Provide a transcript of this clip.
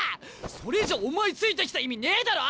それじゃお前ついてきた意味ねえだろ？